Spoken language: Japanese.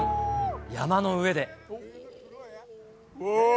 山の上で。